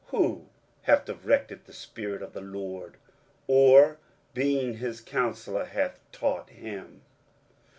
23:040:013 Who hath directed the Spirit of the LORD, or being his counsellor hath taught him?